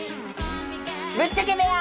ぶっちゃけ部屋！